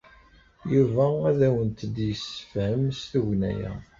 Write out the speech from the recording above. Yuba ad awent-d-yessefhem s tugna-a.